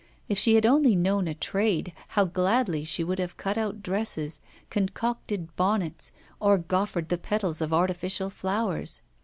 If she had only known a trade, how gladly she would have cut out dresses, concocted bonnets, or goffered the petals of artificial flowers.